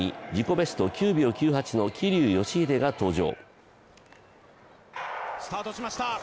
ベスト９秒９８の桐生祥秀が登場。